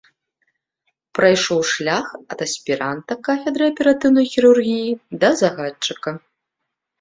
Прайшоў шлях ад аспіранта кафедры аператыўнай хірургіі да загадчыка.